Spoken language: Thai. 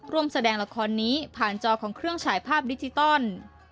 ร่วมแสดงละครนี้ผ่านจอของเครื่องฉายภาพดิจิตอล